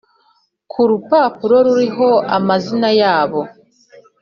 ku rupapuro ruriho amazina yabo